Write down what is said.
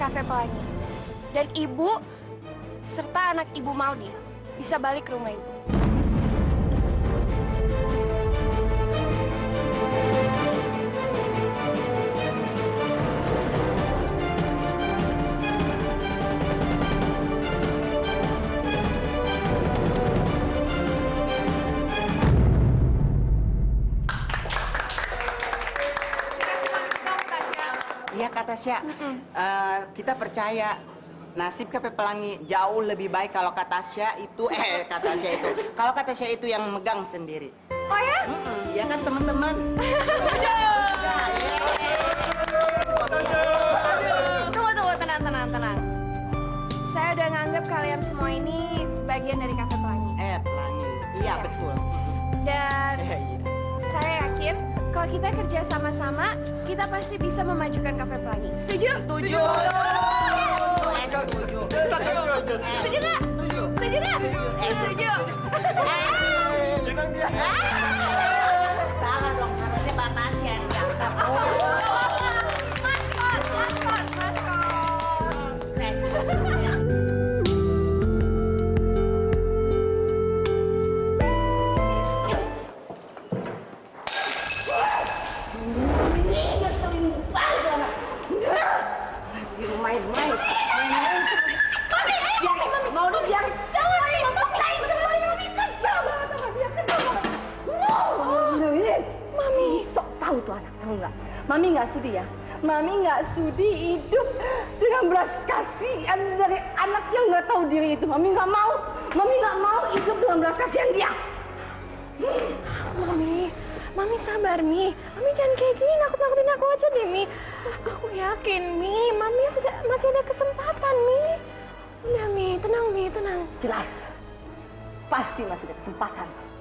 pasti masih ada kesempatan